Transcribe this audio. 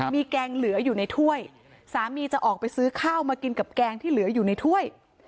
มีแกงเหลืออยู่ในถ้วยสามีจะออกไปซื้อข้าวมากินกับแกงที่เหลืออยู่ในถ้วย